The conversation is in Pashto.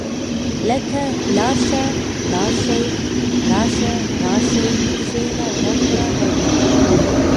لکه لاړ شه، لاړ شئ، راشه، راشئ، کښېنه، وخوره او وخورئ.